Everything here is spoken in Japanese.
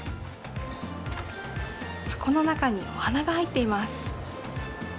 箱の中にお花が入っています。